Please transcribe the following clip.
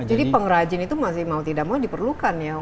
jadi pengrajin itu mau tidak mau diperlukan ya